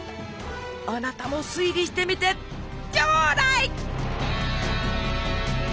あなたも推理してみてちょだい！